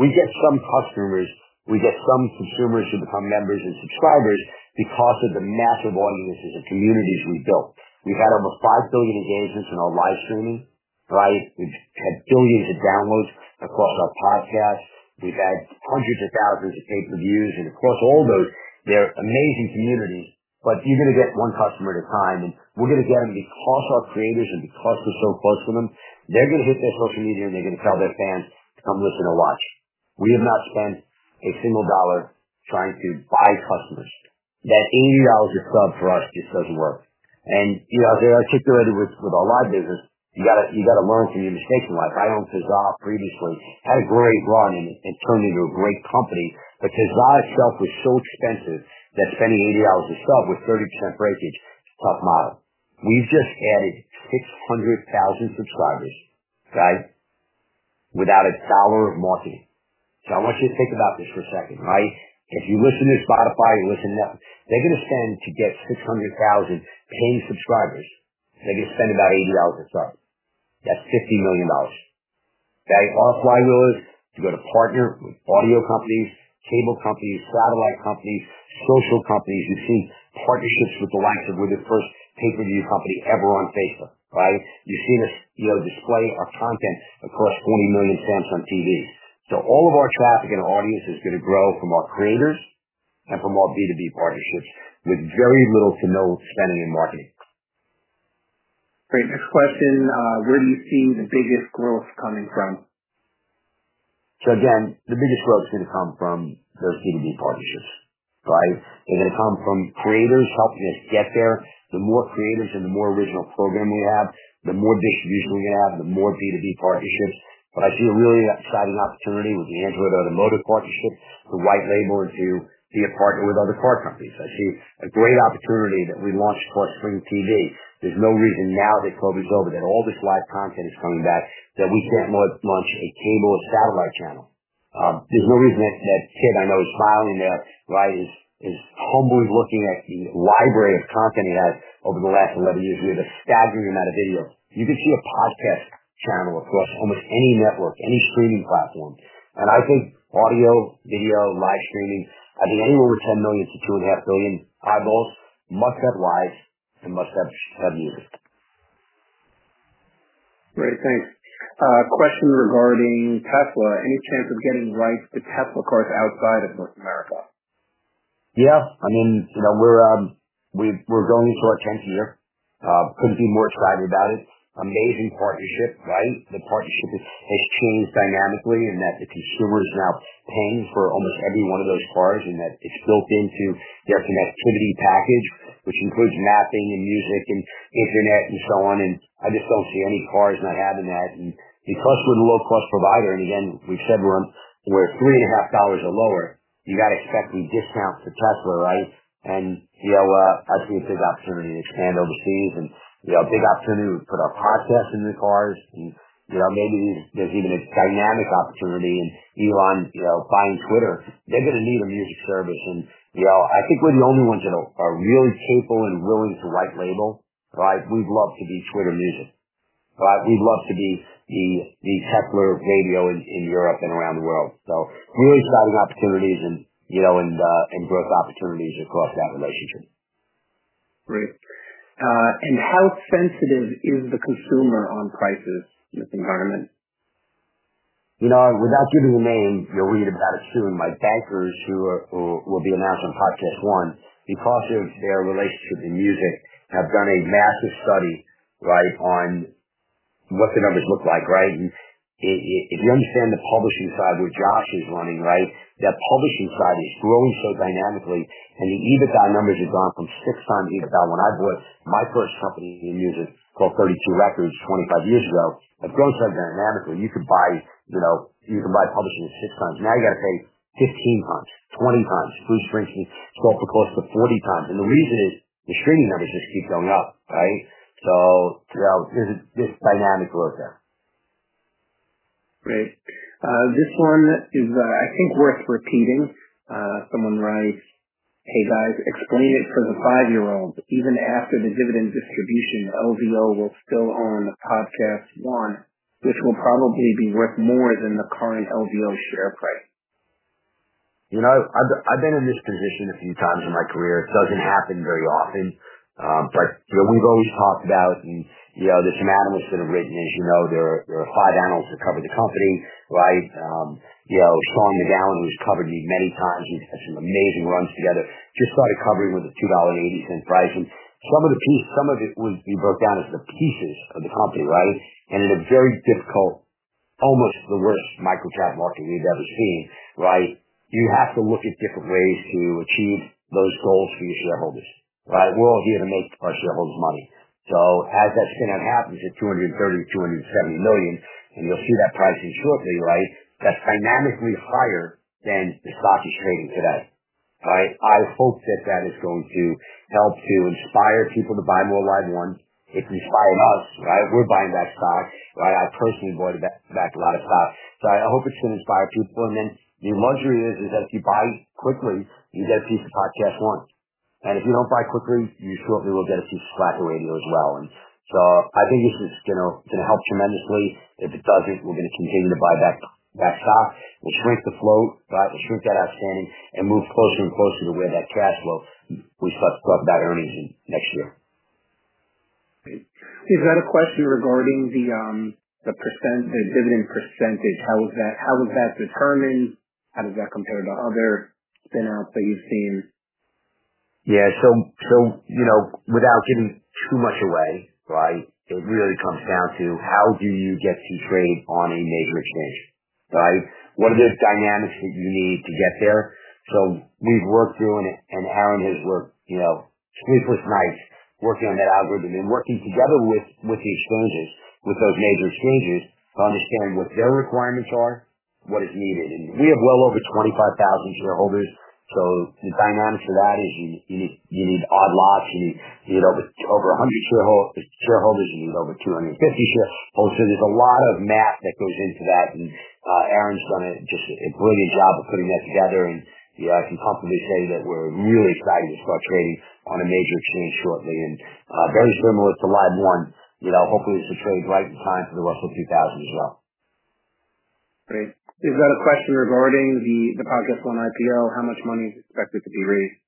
We get some customers, we get some consumers who become members and subscribers because of the massive audiences and communities we've built. We've had over 5 billion engagements in our live streaming, right? We've had billions of downloads across our podcasts. We've had hundreds of thousands of paid reviews. Across all those, they're amazing communities, but you're gonna get one customer at a time, and we're gonna get them because our creators and because we're so close to them. They're gonna hit their social media, they're gonna tell their fans to come listen or watch. We have not spent a single dollar trying to buy customers. That $80 a sub for us just doesn't work. You know, the articulated risk with our live business, you gotta learn from your mistakes in life. I own Caesar previously. Had a great run and turned into a great company. Caesar itself was so expensive that spending $80 a sub with 30% breakage, tough model. We've just added 600,000 subscribers, right? Without $1 of marketing. I want you to think about this for a second, right? If you listen to Spotify, you listen to nothing. They're gonna spend to get 600,000 paying subscribers. They're gonna spend about $80 a sub. That's $50 million. Right? Off Live Nation, you go to partner with audio companies, cable companies, satellite companies, social companies. You've seen partnerships with the likes of we're the first pay-per-view company ever on Facebook, right? You've seen us, you know, display our content across 20 million Samsung TVs. All of our traffic and audience is gonna grow from our creators and from our B2B partnerships with very little to no spending in marketing. Great. Next question. Where are you seeing the biggest growth coming from? Again, the biggest growth is gonna come from those B2B partnerships, right? It'll come from creators helping us get there. The more creators and the more original programming we have, the more distribution we have, the more B2B partnerships. I see a really exciting opportunity with the Android Automotive partnership to white label and to be a partner with other car companies. I see a great opportunity that we launched called Spring TV. There's no reason now that COVID's over, that all this live content is coming back, that we can't launch a cable or satellite channel. There's no reason that kid I know is smiling there, right, is humbly looking at the library of content he has over the last 11 years. We have a staggering amount of video. You could see a podcast channel across almost any network, any streaming platform. I think audio, video, live streaming, I think anyone with 10 million to 2.5 million eyeballs must have live and must have music. Great. Thanks. Question regarding Tesla. Any chance of getting rights to Tesla cars outside of North America? I mean, you know, we're going into our 10th year. Couldn't be more excited about it. Amazing partnership, right? The partnership has changed dynamically in that the consumer's now paying for almost every one of those cars and that it's built into their connectivity package, which includes mapping and music and internet and so on. I just don't see any cars not having that. Because we're the low-cost provider, and again, we've said we're $3.50 or lower, you gotta expect these discounts to Tesla, right? I see a big opportunity to expand overseas and, you know, a big opportunity to put our podcasts into the cars. Maybe there's even a dynamic opportunity in Elon, you know, buying Twitter. They're gonna need a music service. you know, I think we're the only ones that are really capable and willing to white label, right? We'd love to be Twitter Music, right? We'd love to be the Tesla radio in Europe and around the world. Really exciting opportunities and, you know, and growth opportunities across that relationship. Great. How sensitive is the consumer on prices in this environment? You know, without giving the name, you'll read about it soon, bankers who are, who will be announced on PodcastOne, because of their relationship to music, have done a massive study, right, on what the numbers look like, right? If you understand the publishing side where Josh is running, right? That publishing side is growing so dynamically and the EBITDA numbers have gone from 6x EBITDA when I bought my first company in music called 32 Records 25 years ago. It grows so dynamically you could buy, you know, you can buy publishing at 6 times. Now you got to pay 15x, 20x. Bruce Springsteen sold for close to 40x. The reason is the streaming numbers just keep going up, right? There's a dynamics work there. Great. This one is I think worth repeating. Someone writes: Hey, guys, explain it for the five-year-old. Even after the dividend distribution, LVO will still own PodcastOne, which will probably be worth more than the current LVO share price. You know, I've been in this position a few times in my career. It doesn't happen very often. We've always talked about and, you know, this memorandum that's been written, as you know, there are five analysts that cover the company, right? You know, Sean McGowan, who's covered me many times. We've had some amazing runs together. Just started covering with a $2.80 price. Some of it we broke down is the pieces of the company, right? In a very difficult, almost the worst microcap market we've ever seen, right? You have to look at different ways to achieve those goals for your shareholders, right? We're all here to make our shareholders money. As that spin out happens at $230 million-$270 million, and you'll see that pricing shortly, right? That's dynamically higher than the stock is trading today, right? I hope that that is going to help to inspire people to buy more LiveOne. It's inspired us, right? We're buying back stock, right? I personally bought back a lot of stock. I hope it's going to inspire people. The luxury is that if you buy quickly, you get a piece of PodcastOne, and if you don't buy quickly, you shortly will get a piece of Slacker Radio as well. I think this is gonna help tremendously. If it doesn't, we're gonna continue to buy back stock. We'll shrink the float, right? We'll shrink that outstanding and move closer and closer to where that cash flow we start to talk about earnings in next year. Great. We've got a question regarding the %, the dividend percentage. How was that determined? How does that compare to other spin outs that you've seen? You know, without giving too much away, right? It really comes down to how do you get to trade on a major exchange, right? What are the dynamics that you need to get there? We've worked through and Aaron has worked, you know, sleepless nights working on that algorithm and working together with the exchanges, with those major exchanges to understand what their requirements are, what is needed. We have well over 25,000 shareholders. The dynamics of that is you need odd lots. You need over 100 shareholders. You need over 250. There's a lot of math that goes into that. Aaron's done a just a brilliant job of putting that together. You know, I can comfortably say that we're really excited to start trading on a major exchange shortly. Very similar to LiveOne, you know, hopefully this will trade right in time for the Russell 2000 as well. Great. We've got a question regarding the PodcastOne IPO. How much money is expected to be raised?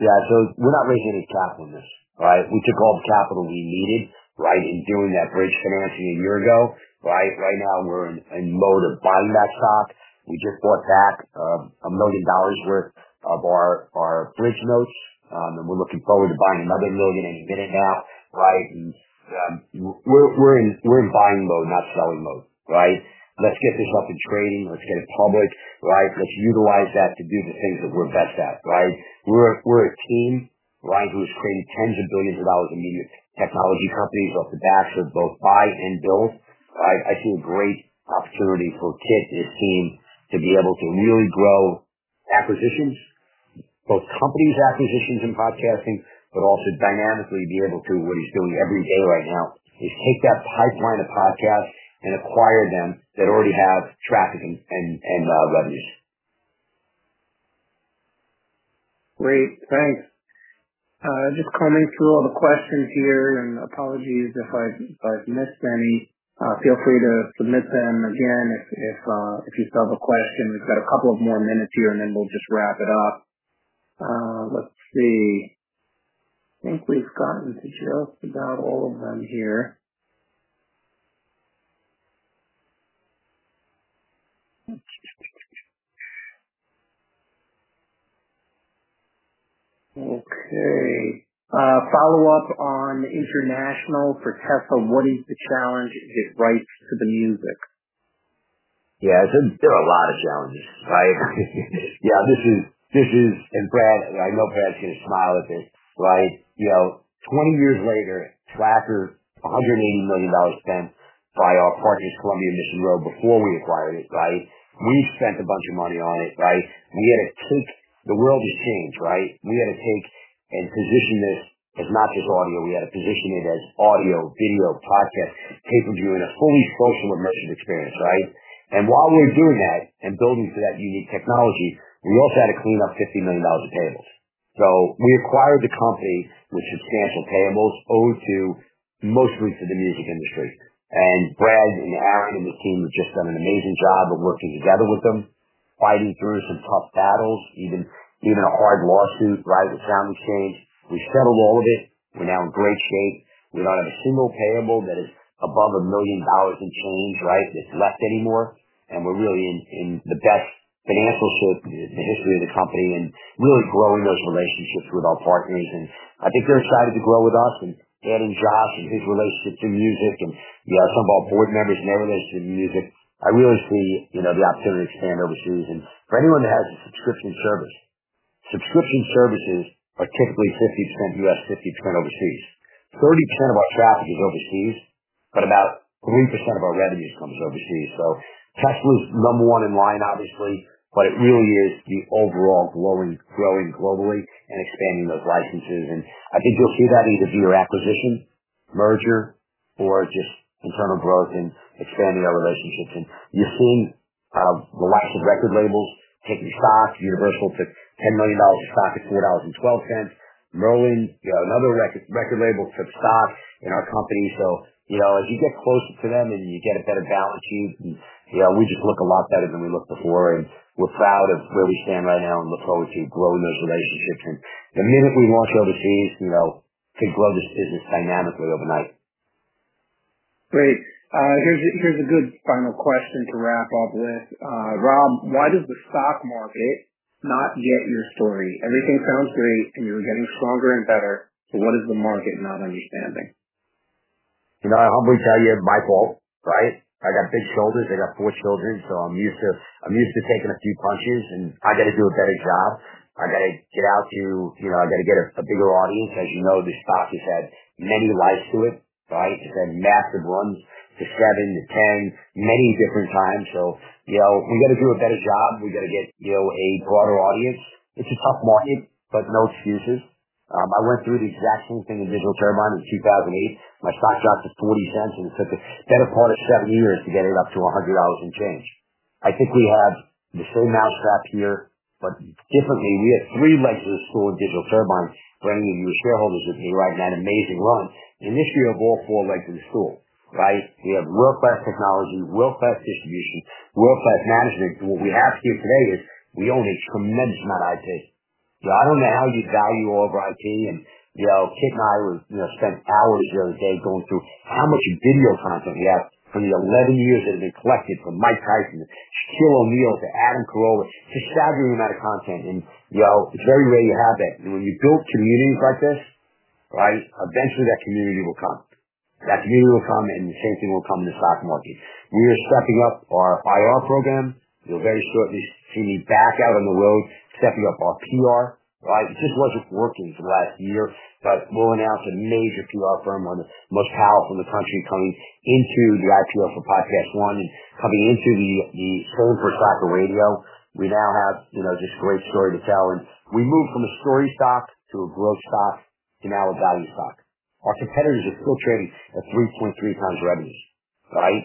Yeah. We're not raising any capital in this. Right? We took all the capital we needed, right, in doing that bridge financing a year ago. Right? Right now we're in mode of buying back stock. We just bought back $1 million worth of our bridge notes. We're looking forward to buying another $1 million in a minute and a half, right? We're in buying mode, not selling mode. Right? Let's get this up and trading. Let's get it public, right? Let's utilize that to do the things that we're best at, right? We're a team, right, who's created $10s of billions in media technology companies off the backs of both buy and build. Right? I see a great opportunity for Kit and his team to be able to really grow acquisitions, both companies acquisitions in podcasting, but also dynamically be able to, what he's doing every day right now is take that pipeline of podcasts and acquire them that already have traffic and revenues. Great. Thanks. Just combing through all the questions here and apologies if I've missed any. Feel free to submit them again if you still have a question. We've got a couple of more minutes here, and then we'll just wrap it up. Let's see. I think we've gotten to just about all of them here. Okay. Follow up on international for Tesla. What is the challenge? It writes, to the music. Yeah. There's been a lot of challenges, right? Yeah. This is. Brad, I know Brad's gonna smile at this, right? You know, 20 years later, Slacker, $180 million spent by our partners, Columbia and Mission Road, before we acquired it, right? We spent a bunch of money on it, right? The world has changed, right? We had to take and position this as not just audio. We had to position it as audio, video, podcast, pay-per-view in a fully social immersion experience, right? While we were doing that and building for that unique technology, we also had to clean up $50 million of payables. We acquired the company with substantial payables owed to mostly to the music industry. Brad and Aaron and the team have just done an amazing job of working together with them. Fighting through some tough battles, even a hard lawsuit, right? With SoundExchange. We settled all of it. We're now in great shape. We don't have a single payable that is above $1 million and change, right, that's left anymore. We're really in the best financial shape in the history of the company and really growing those relationships with our partners. I think they're excited to grow with us. Adding Josh and his relationship to music and, you know, some of our board members and their relationship to music, I really see, you know, the opportunity to expand overseas. For anyone that has a subscription service, subscription services are typically 50% U.S., 50% overseas. 30% of our traffic is overseas, but about 3% of our revenues comes overseas. Tesla's number one in line, obviously, but it really is the overall growing globally and expanding those licenses. I think you'll see that either through your acquisition, merger, or just internal growth and expanding our relationships. You're seeing the likes of record labels taking stock. Universal took $10 million of stock at $2.12. Merlin, you know, another record label, took stock in our company. You know, as you get closer to them and you get a better balance sheet and, you know, we just look a lot better than we looked before, and we're proud of where we stand right now and look forward to growing those relationships. The minute we launch overseas, you know, could grow this business dynamically overnight. Great. Here's a good final question to wrap up with. Rob, why does the stock market not get your story? Everything sounds great, and you're getting stronger and better. What is the market not understanding? You know, I'll humbly tell you it's my fault, right? I got big shoulders. I got four children, so I'm used to taking a few punches, and I gotta do a better job. I gotta get out to. You know, I gotta get a bigger audience. As you know, this stock has had many lives to it, right? It's had massive runs to $7 to $10, many different times. You know, we gotta do a better job. We gotta get, you know, a broader audience. It's a tough market, but no excuses. I went through the exact same thing at Digital Turbine in 2008. My stock dropped to $0.40, and it took the better part of seven years to get it up to $100 and change. I think we have the same mousetrap here, but differently. We had three legs of the stool at Digital Turbine. For any of you shareholders with me riding that amazing run, in this, we have all four legs of the stool, right? We have world-class technology, world-class distribution, world-class management. What we have here today is we own a tremendous amount of IP. You know, I don't know how you value all of our IP. You know, Kit and I were, you know, spent hours the other day going through how much video content we have from the 11 years that have been collected from Mike Tyson to Shaquille O'Neal to Adam Carolla, just staggering amount of content. You know, it's very rare you have that. When you build communities like this, right, eventually that community will come. That community will come, and the same thing will come in the stock market. We are stepping up our IR program. You'll very shortly see me back out on the road, stepping up our PR, right? It just wasn't working for the last year, we'll announce a major PR firm, one of the most powerful in the country, coming into the IPO for PodcastOne and coming into the sold for stock of radio. We now have, you know, this great story to tell. We moved from a story stock to a growth stock to now a value stock. Our competitors are still trading at 3.3x revenues, right?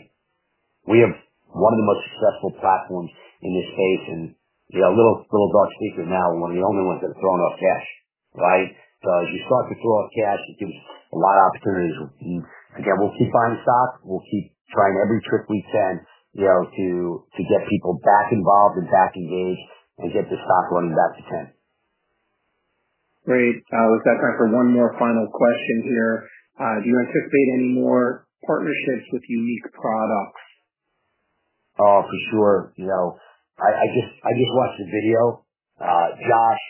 We have one of the most successful platforms in this space. You know, a little dark secret now, we're one of the only ones that are throwing off cash, right? As you start to throw off cash, you see a lot of opportunities. Again, we'll keep buying stock. We'll keep trying every trick we can, you know, to get people back involved and back engaged and get this stock running back to 10. Great. We've got time for one more final question here. Do you anticipate any more partnerships with unique products? Oh, for sure. You know, I just, I just watched a video. Josh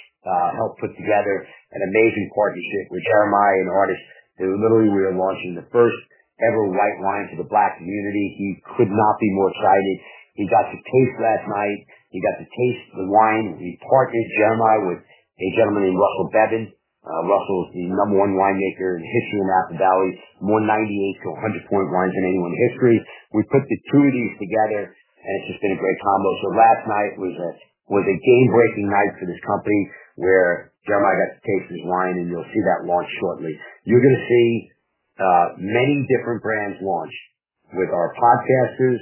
helped put together an amazing partnership with Jeremiah and Hardee's. They literally were launching the first-ever white wine for the Black community. He could not be more excited. He got to taste last night. He got to taste the wine. We partnered Jeremiah with a gentleman named Russell Bevan. Russell is the number one winemaker in the history of Napa Valley. Won 98-100 point wines in anyone in history. We put the two of these together, and it's just been a great combo. Last night was a, was a game-breaking night for this company where Jeremiah got to taste his wine, and you'll see that launch shortly. You're gonna see many different brands launch with our podcasters,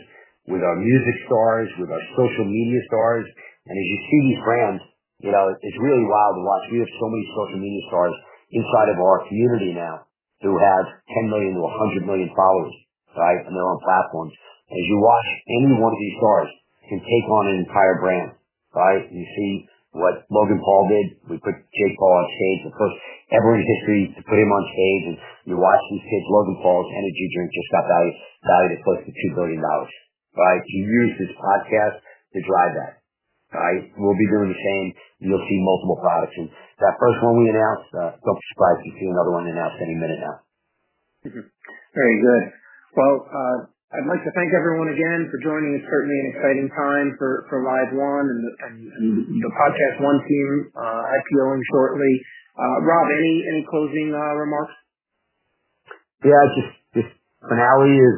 with our music stars, with our social media stars. As you see these brands, you know, it's really wild to watch. We have so many social media stars inside of our community now who have 10 million to 100 million followers, right, from their own platforms. As you watch any one of these stars can take on an entire brand, right? You see what Logan Paul did. We put Jake Paul on stage. The first ever in history to put him on stage. You watch these kids. Logan Paul's energy drink just got valued at close to $2 billion, right? He used his podcast to drive that, right? We'll be doing the same. You'll see multiple products. That first one we announced, don't be surprised if you see another one announced any minute now. Very good. Well, I'd like to thank everyone again for joining. It's certainly an exciting time for LiveOne and the PodcastOne team, IPO-ing shortly. Rob, any closing remarks? Just finale is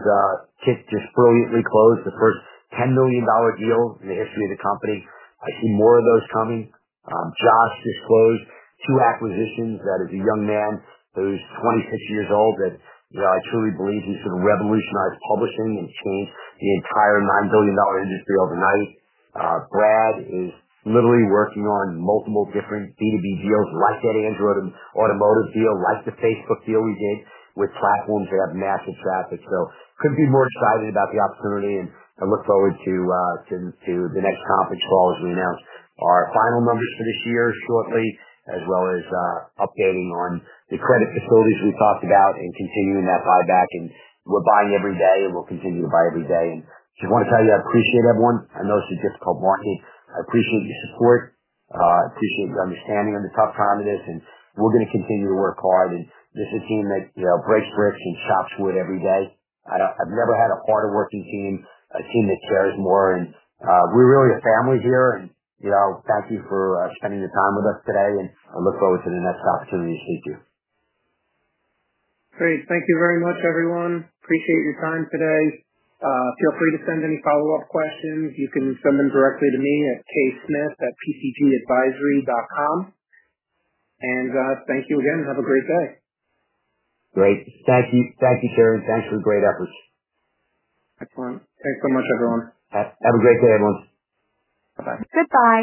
Kit just brilliantly closed the first $10 million deal in the history of the company. I see more of those coming. Josh just closed two acquisitions. That is a young man who's 26 years old that, you know, I truly believe he's gonna revolutionize publishing and change the entire $9 billion industry overnight. Brad is literally working on multiple different B2B deals like that Android and automotive deal, like the Facebook deal we did with platforms that have massive traffic. Couldn't be more excited about the opportunity, and I look forward to the next conference call as we announce our final numbers for this year shortly, as well as updating on the credit facilities we talked about and continuing that buyback. We're buying every day, and we'll continue to buy every day. Just wanna tell you I appreciate everyone. I know it's a difficult market. I appreciate your support. Appreciate the understanding on the tough time of this, and we're gonna continue to work hard. This is a team that, you know, breaks bricks and chops wood every day. I've never had a harder working team, a team that cares more. We're really a family here. You know, thank you for spending the time with us today, and I look forward to the next opportunity to speak to you. Great. Thank you very much, everyone. Appreciate your time today. Feel free to send any follow-up questions. You can send them directly to me at ksmith@pcgadvisory.com. Thank you again and have a great day. Great. Thank you. Thank you, Karen. Thanks for the great efforts. Excellent. Thanks so much, everyone. Have a great day, everyone. Bye-bye. Goodbye.